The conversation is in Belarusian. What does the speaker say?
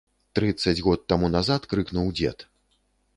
Трыццаць год таму назад крыкнуў дзед.